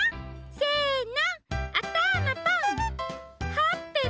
せの！